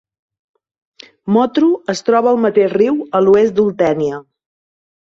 Motru es troba al mateix riu a l'oest d'Oltènia.